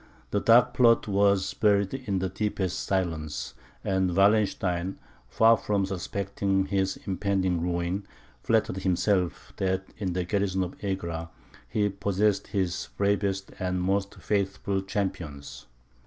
This dark plot was buried in the deepest silence; and Wallenstein, far from suspecting his impending ruin, flattered himself that in the garrison of Egra he possessed his bravest and most faithful champions.